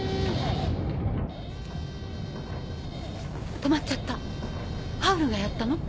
止まっちゃったハウルがやったの？